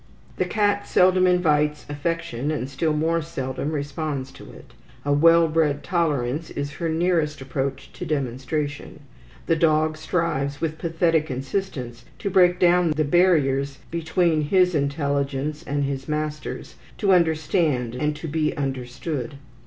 The cat seldom invites affection, and still more seldom responds to it. A well bred tolerance is her nearest approach to demonstration. The dog strives with pathetic insistence to break down the barriers between his intelligence and his master's, to understand and to be understood.